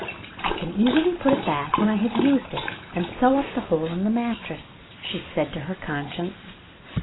"I can easily put it back when I have used it, and sew up the hole in the mattress," she said to her conscience.